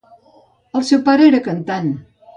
El seu pare era cantant.